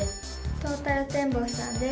トータルテンボスです。